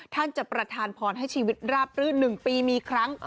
ท่านจะประทานพรให้ชีวิตราบรื่น๑ปีมีครั้ง